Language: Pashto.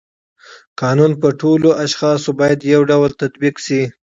قانون په ټولو اشخاصو باید یو ډول تطبیق شي.